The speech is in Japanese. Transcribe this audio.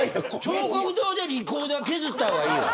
彫刻刀でリコーダー削った方がいいよ。